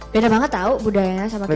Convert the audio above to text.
bener banget tau budayanya sama kita